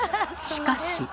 しかし。